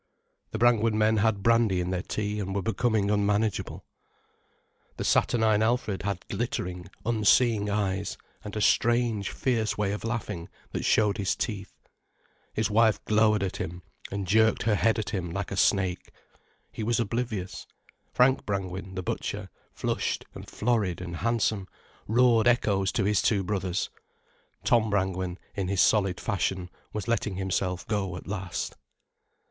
The Brangwen men had brandy in their tea, and were becoming unmanageable. The saturnine Alfred had glittering, unseeing eyes, and a strange, fierce way of laughing that showed his teeth. His wife glowered at him and jerked her head at him like a snake. He was oblivious. Frank Brangwen, the butcher, flushed and florid and handsome, roared echoes to his two brothers. Tom Brangwen, in his solid fashion, was letting himself go at last.